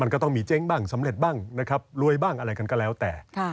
ก็ต้องมีเจ๊งบ้างสำเร็จบ้างนะครับรวยบ้างอะไรกันก็แล้วแต่